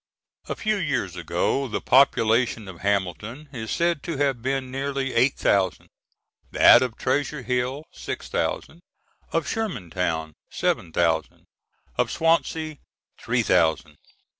A few years ago the population of Hamilton is said to have been nearly eight thousand; that of Treasure Hill, six thousand; of Shermantown, seven thousand; of Swansea, three thousand.